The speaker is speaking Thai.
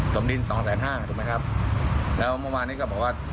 สมดินสองแสนห้าถูกไหมครับแล้วเมื่อวานนี้ก็บอกว่า